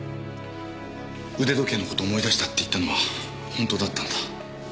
腕時計の事思い出したって言ったのは本当だったんだ？